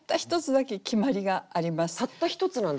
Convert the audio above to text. たったひとつなんですね？